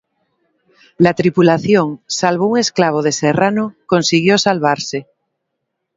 La tripulación, salvo un esclavo de Serrano, consiguió salvarse.